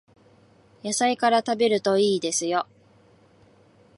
野菜から食べるといいですよ